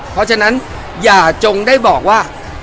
เพราะฉะนั้นอย่าจงได้บอกว่า